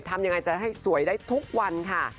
ทำยังไงจะให้สวยได้ทุกวันค่ะ